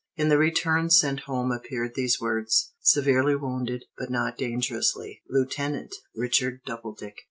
In the returns sent home appeared these words: "Severely wounded, but not dangerously, Lieutenant Richard Doubledick."